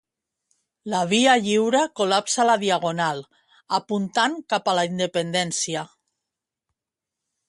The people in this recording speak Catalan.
La Via Lliure col·lapsa la Diagonal, apuntant cap a la independència.